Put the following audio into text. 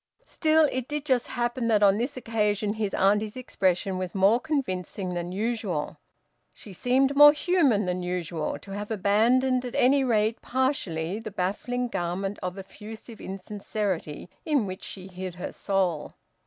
Still, it did just happen that on this occasion his auntie's expression was more convincing than usual. She seemed more human than usual, to have abandoned, at any rate partially, the baffling garment of effusive insincerity in which she hid her soul.